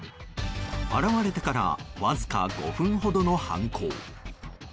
現れてから、わずか５分ほどの犯行。